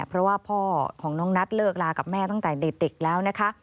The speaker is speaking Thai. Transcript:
เพราะว่าพ่อของน้องนัทเลิกลากับแม่ตั้งแต่เด็กแล้วนะคะ